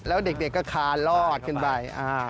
แล้วเด็กก็คาลอดขึ้นไป